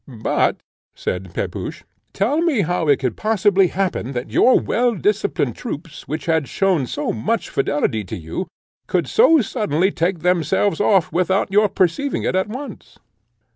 "But," said Pepusch, "tell me how it could possibly happen that your well disciplined troop, which had shown so much fidelity to you, could so suddenly take themselves off, without your perceiving it at once?"